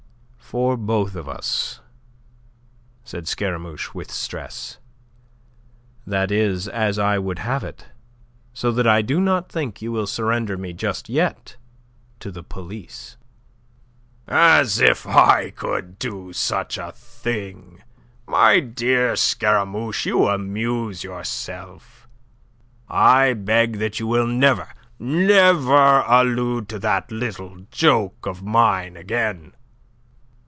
"For both of us," said Scaramouche, with stress. "That is as I would have it. So that I do not think you will surrender me just yet to the police." "As if I could think of such a thing! My dear Scaramouche, you amuse yourself. I beg that you will never, never allude to that little joke of mine again."